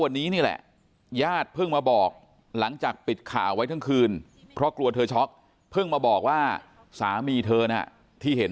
วันนี้นี่แหละญาติเพิ่งมาบอกหลังจากปิดข่าวไว้ทั้งคืนเพราะกลัวเธอช็อกเพิ่งมาบอกว่าสามีเธอนะที่เห็น